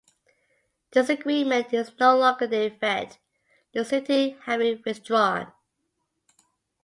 This agreement is no longer in effect, the city having withdrawn.